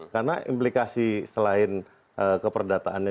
karena implikasi selain keperdataannya